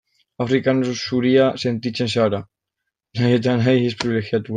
Afrikan oso zuria sentitzen zara, nahi eta nahi ez pribilegiatu.